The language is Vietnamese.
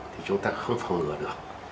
thì chúng ta không phòng ngừa được